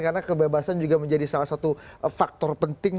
karena kebebasan juga menjadi salah satu faktor penting